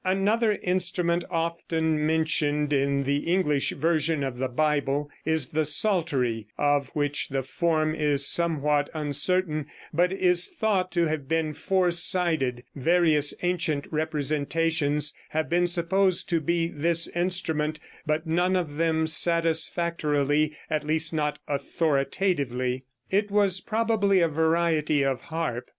] Another instrument often mentioned in the English version of the Bible is the psaltery, of which the form is somewhat uncertain, but is thought to have been four sided. Various ancient representations have been supposed to be this instrument, but none of them satisfactorily, at least not authoritatively. It was probably a variety of harp.